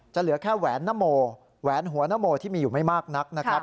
เหลือแค่แหวนนโมแหวนหัวนโมที่มีอยู่ไม่มากนักนะครับ